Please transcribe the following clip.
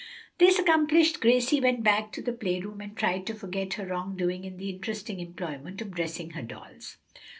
This accomplished, Gracie went back to the play room and tried to forget her wrong doing in the interesting employment of dressing her dolls.